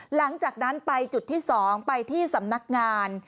หลังจากนั้นไปจุดที่๒ไปที่สำนักงาน